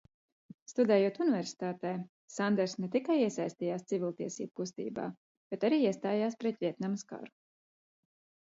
Studējot universitātē, Sanderss ne tikai iesaistījās civiltiesību kustībā, bet arī iestājās pret Vjetnamas karu.